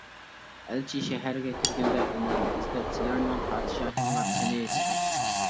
ئەلچى شەھەرگە كىرگەندە ئۆمەرنى ئىزدەپ سىلەرنىڭ پادىشاھىڭلار قېنى؟ دېدى.